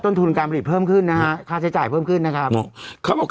ทุนการผลิตเพิ่มขึ้นนะฮะค่าใช้จ่ายเพิ่มขึ้นนะครับเขาบอก